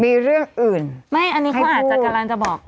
มีเรื่องอื่นไม่อันนี้เขาอาจจะกำลังจะบอก